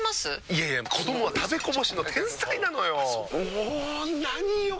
いやいや子どもは食べこぼしの天才なのよ。も何よ